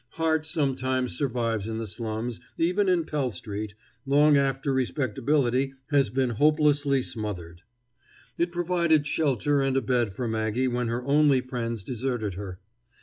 Heart sometimes survives in the slums, even in Pell street, long after respectability has been hopelessly smothered. It provided shelter and a bed for Maggie when her only friends deserted her.